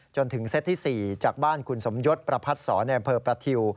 จนถึงเซตที่๔จากบ้านคุณสมยศประพัดศรในอำเภอประทิว